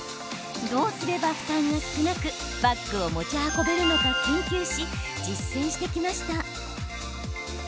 どうすれば負担が少なくバッグを持ち運べるのか研究し実践してきました。